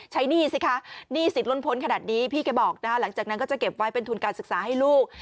หนี้สิคะหนี้สิทธิล้นพ้นขนาดนี้พี่แกบอกนะคะหลังจากนั้นก็จะเก็บไว้เป็นทุนการศึกษาให้ลูก